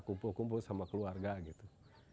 kumpul kumpul sama keluarga gitu